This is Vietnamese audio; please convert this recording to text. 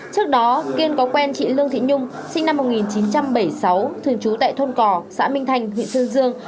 trước đó kiên có quen chị lương thị nhung sinh năm một nghìn chín trăm bảy mươi sáu thường trú tại thôn cò xã minh thành huyện sơn dương